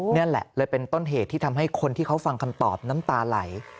นี่แหละเลยเป็นต้นเหตุที่ทำให้คนที่เขาฟังคำตอบน้ำตาไหล